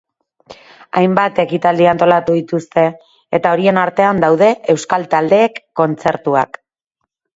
Hainbat ekitaldi antolatu dituzte, eta horien artean daude euskal taldeek kontzertuak.